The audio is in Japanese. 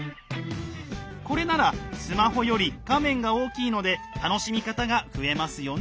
これならスマホより画面が大きいので楽しみ方が増えますよね